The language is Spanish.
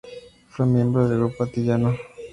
Fue miembro del Grupo Antillano.